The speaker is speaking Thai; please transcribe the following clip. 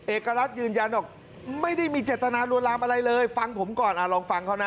เอกรัฐยืนยันบอกไม่ได้มีเจตนาลวนลามอะไรเลยฟังผมก่อนลองฟังเขานะ